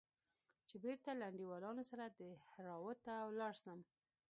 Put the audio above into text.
چې بېرته له انډيوالانو سره دهراوت ته ولاړ سم.